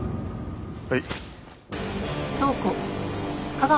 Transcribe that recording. はい。